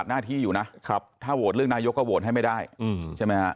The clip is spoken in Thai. ถ้าโวร์ดเรื่องนายก็โวร์ดให้ไม่ได้ใช่ไหมครับ